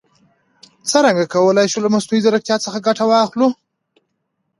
څرنګه کولای شو له مصنوعي ځیرکتیا څخه ګټه واخلو؟